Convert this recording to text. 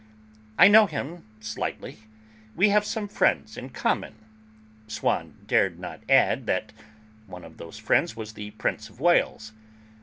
"I know him slightly; we have some friends in common" (Swann dared not add that one of these friends was the Prince of Wales).